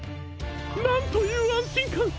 なんというあんしんかん！